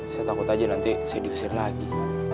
saya takut aja nanti saya diusir lagi